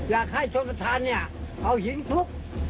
อยากให้ชนภาษณ์เอาหิงฟุก